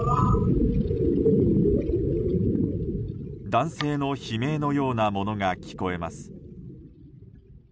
男性の悲鳴のようなものが聞こえます。